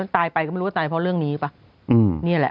ตายไปก็ไม่รู้ว่าตายเพราะเรื่องนี้ป่ะนี่แหละ